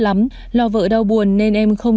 lắm lo vợ đau buồn nên em không